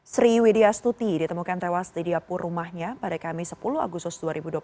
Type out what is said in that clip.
sri widya stuti ditemukan tewas di diapur rumahnya pada kamis sepuluh agustus dua ribu dua puluh satu